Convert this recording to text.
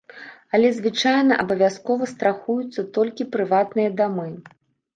Але звычайна абавязкова страхуюцца толькі прыватныя дамы.